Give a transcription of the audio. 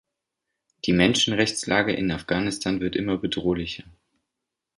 Die Menschenrechtslage in Afghanistan wird immer bedrohlicher.